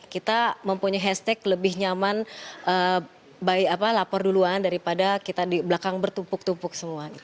kita mempunyai hashtag lebih nyaman lapor duluan daripada kita di belakang bertumpuk tumpuk semua